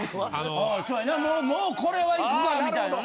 もうこれは行くかみたいな。